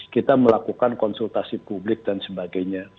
kita melakukan konsultasi publik dan sebagainya